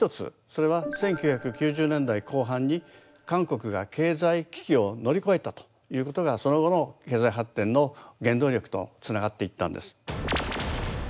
それは１９９０年代後半に韓国が経済危機を乗り越えたということがその後の経済発展の原動力とつながっていったんです。